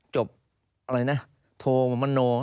จบโทรมโมโน